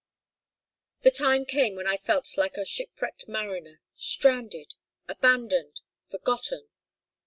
"The time came when I felt like a shipwrecked mariner. Stranded! Abandoned! Forgotten!